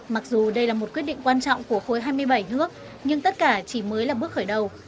mặc dù đây là một quyết định quan trọng của khối hai mươi bảy nước nhưng tất cả chỉ mới là bước khởi đầu